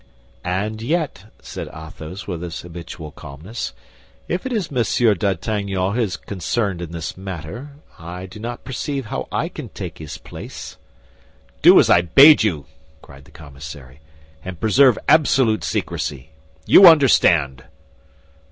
"And yet," said Athos, with his habitual calmness, "if it be Monsieur d'Artagnan who is concerned in this matter, I do not perceive how I can take his place." "Do as I bade you," cried the commissary, "and preserve absolute secrecy. You understand!"